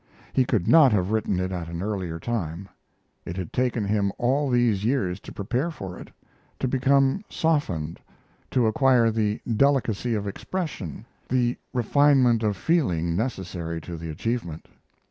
He could not have written it at an earlier time. It had taken him all these years to prepare for it; to become softened, to acquire the delicacy of expression, the refinement of feeling, necessary to the achievement.